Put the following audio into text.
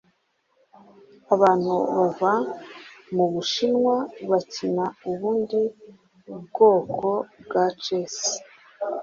Abantu bava mubushinwa bakina ubundi bwoko bwa chess